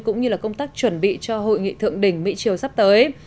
cũng như công tác chuẩn bị cho hội nghị thượng đỉnh mỹ triều sắp tới